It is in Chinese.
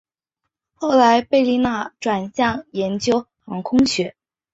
后来贝利纳转向研究航空学。